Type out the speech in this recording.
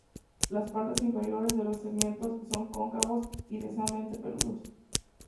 Las partes inferiores de los segmentos son cóncavos y densamente peludos.